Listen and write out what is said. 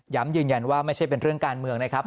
ยืนยันว่าไม่ใช่เป็นเรื่องการเมืองนะครับ